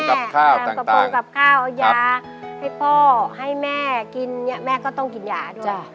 ปลูกกับข้าวยาให้พ่อให้แม่กินแม่ก็ต้องกินหยาด้วย